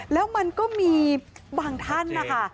แล้วมันก็มีบางท่านนะคะ